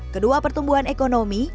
kedua pertumbuhan ekonomi